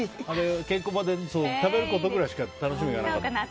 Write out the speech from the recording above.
稽古場で食べることくらいしか楽しみがないから。